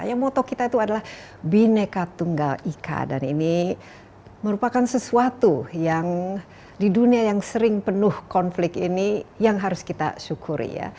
yang moto kita itu adalah bineka tunggal ika dan ini merupakan sesuatu yang di dunia yang sering penuh konflik ini yang harus kita syukuri ya